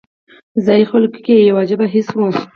ځایي خلکو کې یو عجیبه حس و.